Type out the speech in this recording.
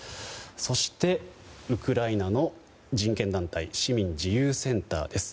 そしてウクライナの人権団体市民自由センターです。